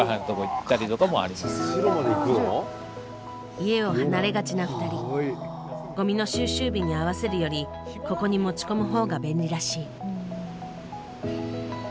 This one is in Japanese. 家を離れがちな２人ゴミの収集日に合わせるよりここに持ち込む方が便利らしい。